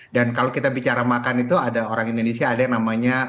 dan kalau kita bicara makan itu ada orang indonesia ada yang namanya